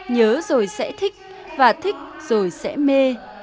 nhớ rồi sẽ thích và thích rồi sẽ mê